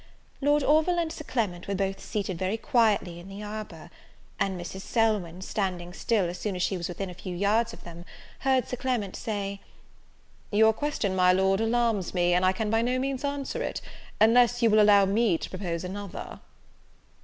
Lord Orville and Sir Clement were both seated very quietly in the arbour: and Mrs. Selwyn, standing still, as soon as she was within a few yards of them, heard Sir Clement say, "Your question, my Lord, alarms me, and I can by no means answer it, unless you will allow me to propose another."